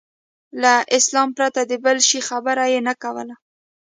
له اسلام پرته د بل شي خبره یې نه کوله.